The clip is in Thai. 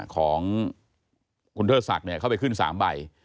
ของคุณเทิดศักดิ์เข้าไปขึ้น๓ใบ